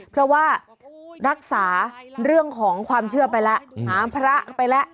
เพราะว่ารักษาเรื่องของความเชื่อไปแล้วหามพระไปแล้ว